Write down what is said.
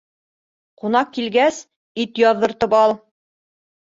Ҡунаҡ килгәс, ит яҙҙыртып ал.